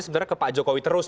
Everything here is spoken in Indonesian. sebenarnya ke pak jokowi terus